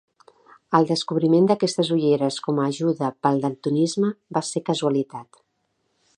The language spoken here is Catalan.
El descobriment d'aquestes ulleres com a ajuda pel daltonisme va ser casualitat.